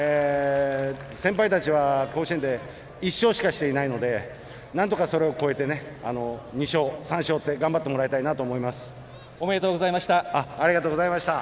先輩たちは甲子園で１勝しかしていないので何とかそれを超えてね２勝、３勝として頑張ってもらいたいなおめでとうございました。